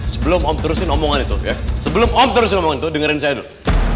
sebelum om terusin omongan itu sebelum om terusin omongan itu dengerin saya dulu